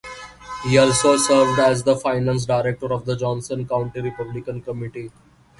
He also served as the finance director of the Johnson County Republican Committee.